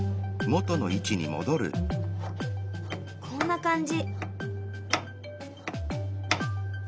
こんな感じ。